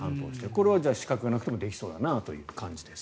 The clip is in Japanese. これは資格がなくてもできそうだなという感じです。